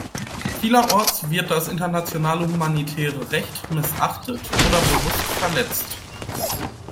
Vielerorts wird das internationale humanitäre Recht missachtet oder bewusst verletzt.